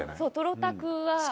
そうとろたくは。